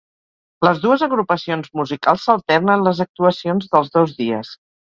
Les dues agrupacions musicals s'alternen les actuacions dels dos dies.